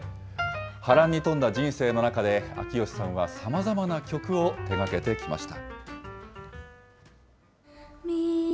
波乱に富んだ人生の中で、秋吉さんはさまざまな曲を手がけてきました。